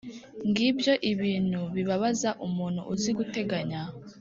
Ngibyo ibintu bibabaza umuntu uzi guteganya: